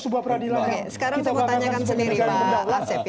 sekarang saya mau tanyakan sendiri pak asep